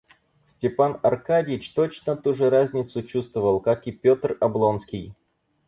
Степан Аркадьич точно ту же разницу чувствовал, как и Петр Облонский.